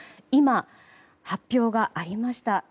今、発表がありました。